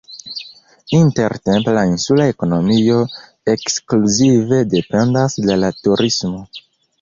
Intertempe la insula ekonomio ekskluzive dependas de la turismo.